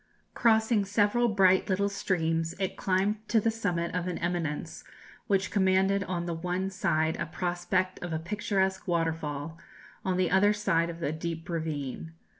Crossing several bright little streams, it climbed to the summit of an eminence which commanded on the one side a prospect of a picturesque waterfall, on the other side of a deep ravine.